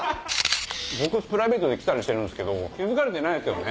僕プライベートで来たりしてるんすけど気付かれてないですよね。